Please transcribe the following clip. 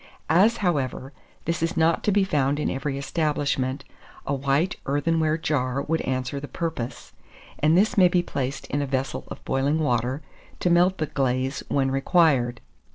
As, however, this is not to be found in every establishment, a white earthenware jar would answer the purpose; and this may be placed in a vessel of boiling water, to melt the glaze when required.